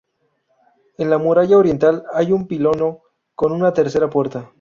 En la muralla oriental hay un pilono con una tercera puerta.